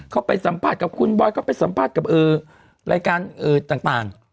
เขาไปสัมภาษณ์กับคุณบอยเขาไปสัมภาษณ์กับรายการต่าง